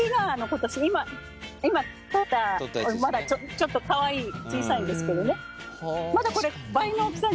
今とったまだちょっとかわいい小さいんですけどね。